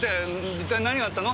一体何があったの？